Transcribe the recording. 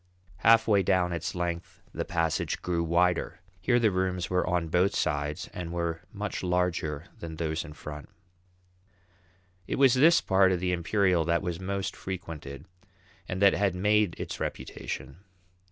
Half way down its length the passage grew wider. Here the rooms were on both sides and were much larger than those in front. It was this part of the Imperial that was most frequented, and that had made its reputation.